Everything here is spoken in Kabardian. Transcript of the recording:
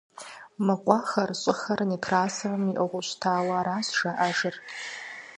Мы къуэхэр, щӀыхэр Некрасовым иӀыгъыу щытауэ аращ жаӀэжыр.